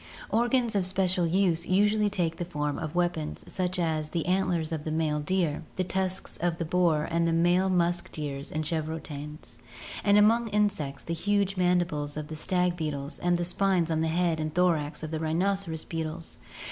Organs of special use usually take the form of weapons such as the antlers of the male deer, the tusks of the boar and the male musk deer and chevrotains, and among insects the huge mandibles of the stag beetles and the spines on the head and thorax of the rhinoceros beetles.